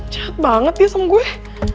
jeet banget dia sama gue